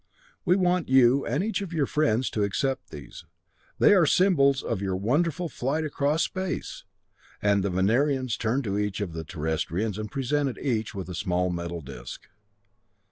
We want you, and each of your friends, to accept these. They are symbols of your wonderful flight across space!" The Venerians turned to each of the Terrestrians and presented each with a small metal disc.